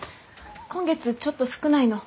今月ちょっと少ないの。